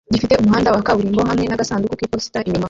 gifite umuhanda wa kaburimbo hamwe nagasanduku k'iposita inyuma